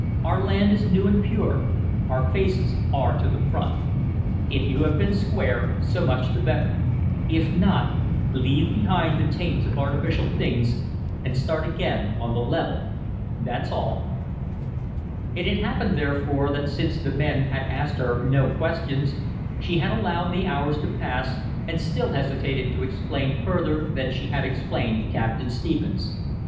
Our land is new and pure, our faces are to the front. If you have been square, so much the better; if not, leave behind the taints of artificial things and start again on the level that's all." It had happened, therefore, that since the men had asked her no questions, she had allowed the hours to pass and still hesitated to explain further than she had explained to Captain Stephens.